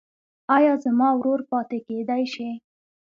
ایا زما ورور پاتې کیدی شي؟